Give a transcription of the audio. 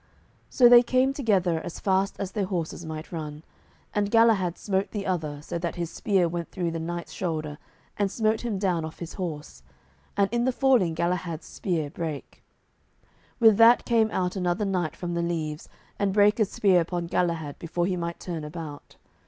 So they came together as fast as their horses might run; and Galahad smote the other so that his spear went through the knight's shoulder and smote him down off his horse, and in the falling Galahad's spear brake. With that came out another knight from the leaves, and brake a spear upon Galahad before he might turn about.